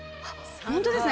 本当ですね。